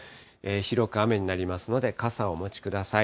広く雨になりますので、傘をお持ちください。